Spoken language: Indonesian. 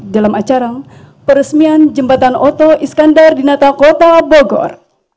dalam acara peresmian jembatan oto iskandar di nata kota bogor